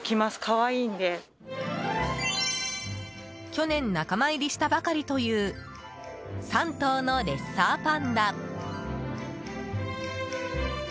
去年仲間入りしたばかりという３頭のレッサーパンダ。